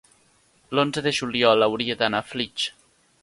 l'onze de juliol hauria d'anar a Flix.